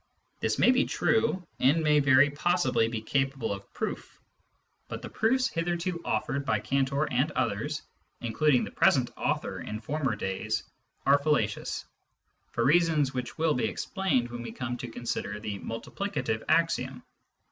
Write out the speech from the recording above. This tnay be true, and may very possibly be capable of proof ; but the proofs hitherto offered by Cantor and others (including the present author in former days) are fallacious, for reasons which will be explained when we come to consider the " multiplicative axiom."